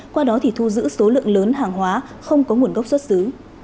qua đó thì thu giữ số lượng lớn hàng hóa không có nguồn gốc xuất xứ